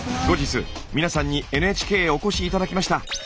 後日皆さんにＮＨＫへお越し頂きました。